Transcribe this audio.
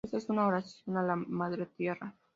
Esta es su oración a la Madre Tierra.